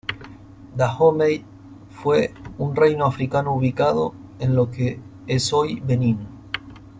Dahomey fue un reino Africano ubicado en lo que es hoy Benín.